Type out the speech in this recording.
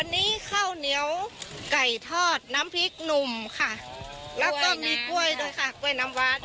อันนี้ข้าวเหนียวไก่ทอดน้ำพริกหนุ่มค่ะแล้วก็มีกล้วยด้วยค่ะกล้วยน้ำวาน